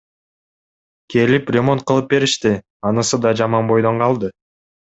Келип ремонт кылып беришти, анысы да жаман бойдон калды.